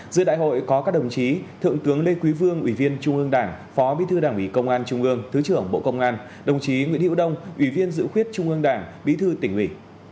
giữa đại hội có các đồng chí thượng tướng lê quý vương ủy viên trung ương đảng phó bí thư đảng ủy công an trung ương thứ trưởng bộ công an đồng chí nguyễn hữu đông ủy viên dự khuyết trung ương đảng bí thư tỉnh ủy